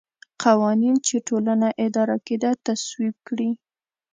قوانین چې ټولنه اداره کېده تصویب کړي.